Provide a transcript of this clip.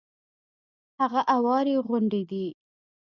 هغه اوارې غونډې دي.